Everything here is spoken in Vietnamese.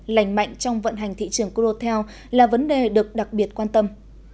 lành mạnh trong vận hành thị trường codotel là vấn đề được đặc biệt quan tâm